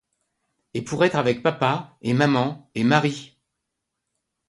Et pour être avec papa, et maman, et Marie !